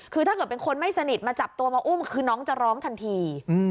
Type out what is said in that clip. คือถ้าเกิดเป็นคนไม่สนิทมาจับตัวมาอุ้มคือน้องจะร้องทันที